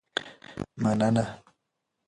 مننه.